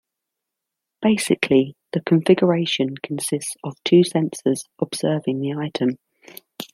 Basically, the configuration consists of two sensors observing the item.